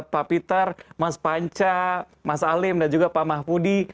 pak peter mas panca mas alim dan juga pak mahfudi